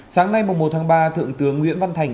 sáng nay một tháng ba thượng tướng nguyễn văn thành